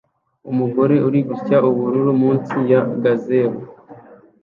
Umugore uri gusya ubururu munsi ya gazebo